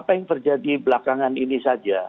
apa yang terjadi belakangan ini saja